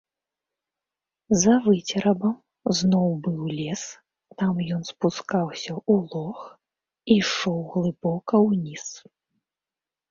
За выцерабам зноў быў лес, там ён спускаўся ў лог, ішоў глыбока ўніз.